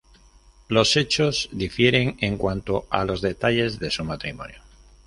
Los hechos difieren en cuanto a los detalles de su matrimonio.